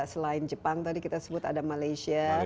selain jepang tadi kita sebut ada malaysia